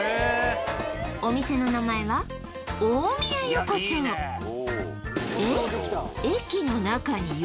お店の名前は大宮横丁えっ？